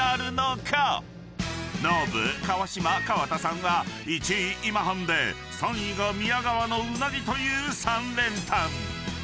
［ノブ川島川田さんは１位「今半」で３位が「宮川」のうなぎという３連単］